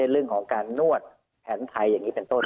เรื่องของการนวดแผนไทยอย่างนี้เป็นต้น